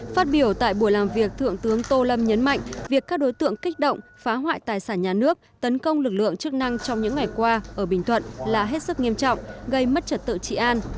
phát biểu tại buổi làm việc thượng tướng tô lâm nhấn mạnh việc các đối tượng kích động phá hoại tài sản nhà nước tấn công lực lượng chức năng trong những ngày qua ở bình thuận là hết sức nghiêm trọng gây mất trật tự trị an